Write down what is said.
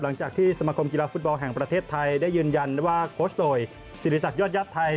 หลังจากที่สมคมกีฬาฟุตบอลแห่งประเทศไทยได้ยืนยันว่าโคชโตยศิริษักยอดญาติไทย